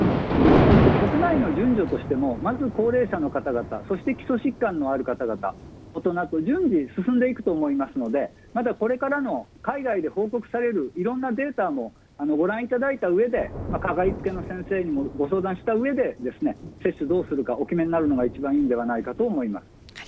そして国内の順序としてもまず高齢者の方々そして基礎疾患のある方々大人と準備が進んでいくと思いますのでまだこれから海外で報告されるいろんなデータもご覧いただいたうえでかかりつけの先生にご相談したうえで接種どうするかお決めになるのが一番いいのではないかと思います。